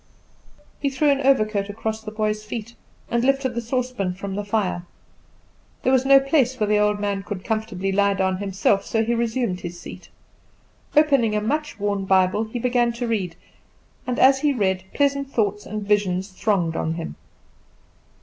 He threw an overcoat across the boy's feet, and lifted the saucepan from the fire. There was no place where the old man could comfortably lie down himself, so he resumed his seat. Opening a much worn Bible, he began to read, and as he read pleasant thoughts and visions thronged on him.